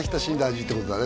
味ってことだね